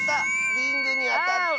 リングにあたった！